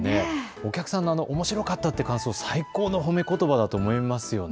お客さんがおもしろかったという感想、最高の褒めことばだと思いますね。